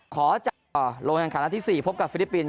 ขอจัดลงจังขาดที่๔พบกับฟิลิปปินส์